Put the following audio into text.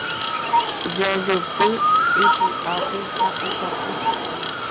Jajopy ipy'ápe ha okapu.